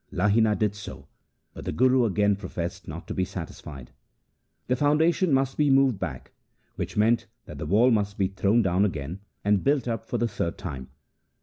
Lahina did so, but the Guru again professed not to be satisfied. The foundation must be moved back, which meant that the wall must be thrown down again, and built up for the third time.